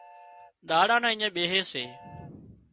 ۮاڙا نا اڃين ٻيهي سي